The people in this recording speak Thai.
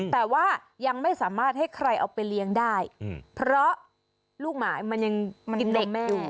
แต่ว่ายังไม่สามารถให้ใครเอาไปเลี้ยงได้เพราะลูกหมามันยังกินเด็กอยู่